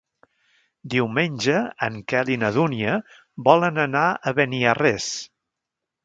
Diumenge en Quel i na Dúnia volen anar a Beniarrés.